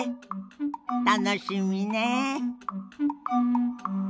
楽しみねえ。